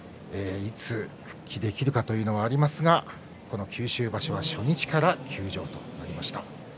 いつ復帰できるかというのがありますがこの九州場所は初日から休場となりました。